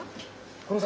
この先？